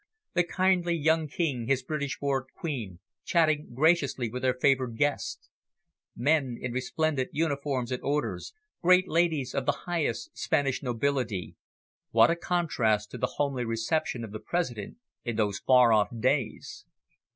The kindly young King, his British born Queen, chatting graciously with their favoured guests. Men in resplendent uniforms and orders, great ladies of the highest Spanish nobility, what a contrast to the homely reception of the President in those far off days!